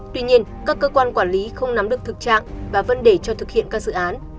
tuy nhiên các cơ quan quản lý không nắm được thực trạng và vẫn để cho thực hiện các dự án